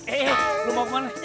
eh rumah kemana